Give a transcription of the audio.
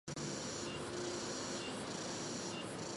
没有获得它们的原谅你就别想跨入家门一步！